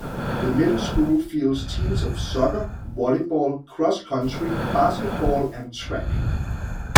The Middle School fields teams of soccer, volleyball, cross-country, basketball, and track.